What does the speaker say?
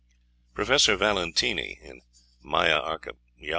Professor Valentini ("Maya Archæol.